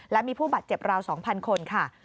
และมีผู้บาดเจ็บราว๒๐๐คนค่ะ